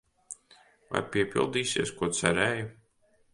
Vai piepildīsies, ko cerēja?